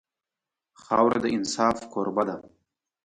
خاوره د انصاف کوربه ده.